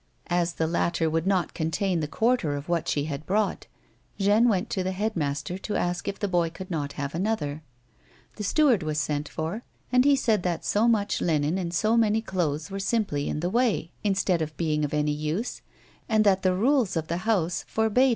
As the latter would not con tain the quarter of what she had brought, Jeanne went to the head master to ask if the boy could not have another. The steward was sent for, and he said that so much linen and so many clothes were simply in the way, instead of being of any use, and that the rules of the house forbade A WOMAN'S LIFE.